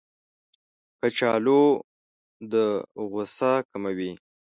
کچالو د غوسه کموي